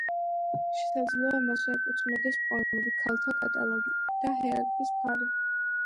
შესაძლოა მასვე ეკუთვნოდეს პოემები „ქალთა კატალოგი“ და „ჰერაკლეს ფარი“.